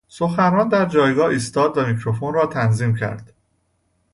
سخنران در جایگاه ایستاد و میکروفن را تنظیم کرد.